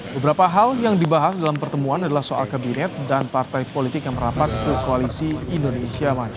beberapa hal yang dibahas dalam pertemuan adalah soal kabinet dan partai politik yang merapat ke koalisi indonesia maju